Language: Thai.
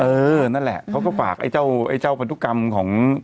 เออนั่นแหละเขาก็ฝากไอ้เจ้าปราณุกรรมของ